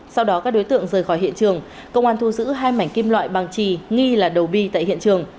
sau đó các đối tượng rời khỏi hiện trường công an thu giữ hai mảnh kim loại bằng trì nghi là đầu bi tại hiện trường